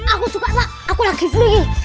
aku suka pak aku lagi sakit